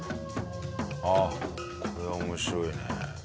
ああこれは面白いね。